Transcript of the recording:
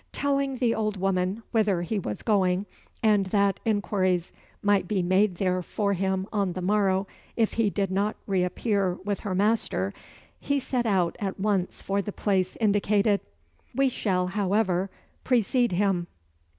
Telling the old woman whither he was going, and that inquiries might be made there for him on the morrow, if he did not re appear with her master, he set out at once for the place indicated. We shall, however, precede him.